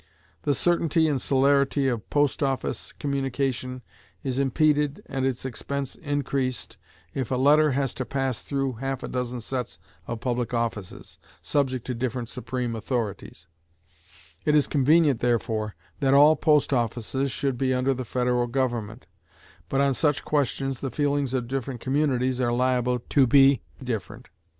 The certainty and celerity of post office communication is impeded, and its expense increased, if a letter has to pass through half a dozen sets of public offices, subject to different supreme authorities: it is convenient, therefore, that all post offices should be under the federal government; but on such questions the feelings of different communities are liable to be different.